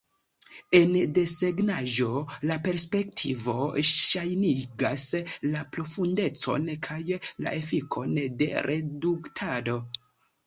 En desegnaĵo, la perspektivo ŝajnigas la profundecon kaj la efikon de reduktado.